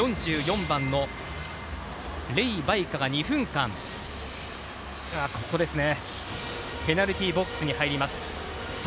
４４番の麗貝かが２分間ペナルティーボックスに入ります。